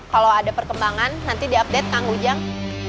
kalau ada perkembangan nanti diupdate kang ujang